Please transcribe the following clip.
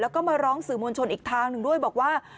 แล้วก็มาร้องสื่อมวลชนอีกทางหนึ่งด้วยบอกว่า